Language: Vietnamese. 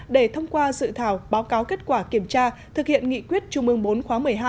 để thông qua sự thảo báo cáo kết quả kiểm tra thực hiện nghị quyết trung ương bốn khóa một mươi hai